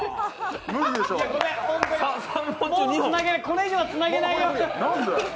これ以上はつなげないよ！